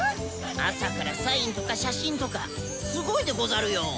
朝からサインとか写真とかすごいでござるよ。